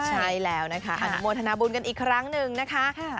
ใช่แล้วนะคะอนุโมทนาบุญกันอีกครั้งหนึ่งนะคะ